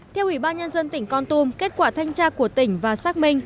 theo ủy ban nhân dân tỉnh con tum kết quả thanh tra của tỉnh và xác minh